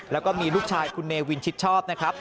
แล้วก็มีลูกชายคุณเนวินชิดชอบนะครับ